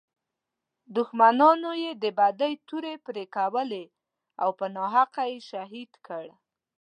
دښمنانو یې د بدۍ تورې پړکولې او په ناحقه یې شهید کړ.